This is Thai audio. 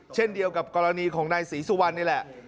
เช่นเดียวกับกรณีของนายศรีสุวรรณนี่แหละ